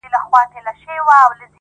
او پای يې خلاص پاتې کيږي تل,